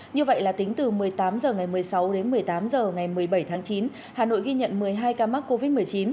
như vậy là tính từ một mươi tám h ngày một mươi sáu đến một mươi tám h ngày một mươi bảy tháng chín hà nội ghi nhận một mươi hai ca mắc covid một mươi chín